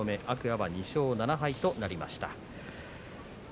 天空海は２勝７敗となりました。